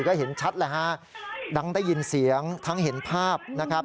ก็เห็นชัดแหละฮะดังได้ยินเสียงทั้งเห็นภาพนะครับ